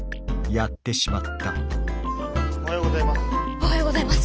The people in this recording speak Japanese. おはようございます。